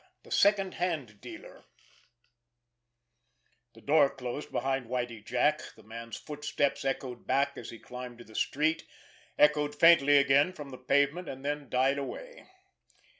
V—THE SECOND HAND DEALER The door closed behind Whitie Jack, the man's footsteps echoed back as he climbed to the street, echoed faintly again from the pavement, and then died away.